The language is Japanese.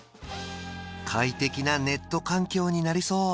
快適なネット環境になりそう